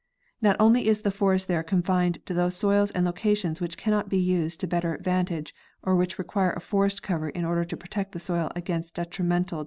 Not only is the forest there confined to those soils and locations which cannot be used to better advantage or which require a forest cover in order to protect the soil against detrimental dis Figure 1.